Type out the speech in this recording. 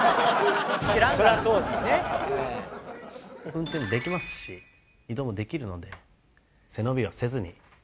運転できますし移動もできるので背伸びはせずに。